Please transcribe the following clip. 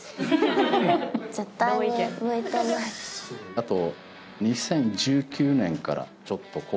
あと。